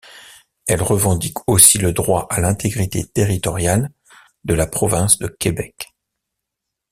Elle revendique aussi le droit à l'intégrité territoriale de la province de Québec.